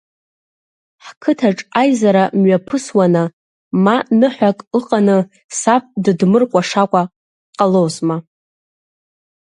Ҳқыҭаҿ аизара мҩаԥысуаны, ма ныҳәак ыҟаны саб дыдмыркәашакәа ҟалозма!